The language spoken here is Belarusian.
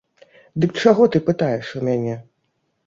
Дык чаго ты пытаеш у мяне?